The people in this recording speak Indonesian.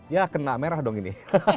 ya kena merah dong ini